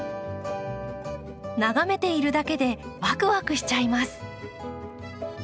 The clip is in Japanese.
眺めているだけでワクワクしちゃいます。